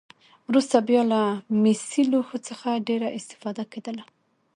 وروسته بیا له مسي لوښو څخه ډېره استفاده کېدله.